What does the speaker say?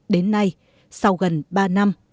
đến nay sau gần ba năm